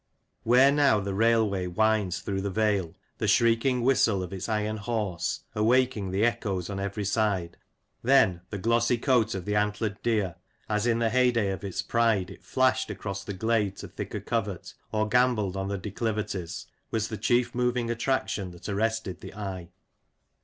Where now the Railway winds through the vale, the shrieking whistle of its "iron horse" awaking the echoes on every side — then the glossy coat of the antlered deer, as in the heyday of its pride it flashed across the glade to thicker covert, or gambolled on the declivities, was the chief moving attraction that arrested the eye.